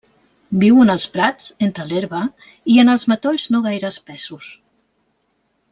Viu en els prats, entre l'herba, i en els matolls no gaire espessos.